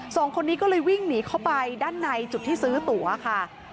สองคนนี้ก็เลยวิ่งหนีเข้าไปด้านในจุดที่ซื้อตัวค่ะ